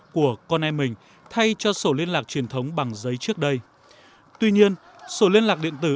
của con em mình thay cho sổ liên lạc truyền thống bằng giấy trước đây tuy nhiên sổ liên lạc điện tử